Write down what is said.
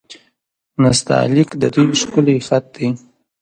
نستعلیق د دوی ښکلی خط دی.